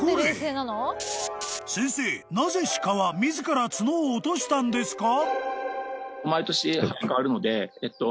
［先生なぜ鹿は自ら角を落としたんですか？］